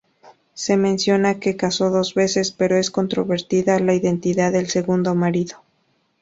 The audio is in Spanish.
Se menciona que casó dos veces, pero es controvertida la identidad del segundo marido.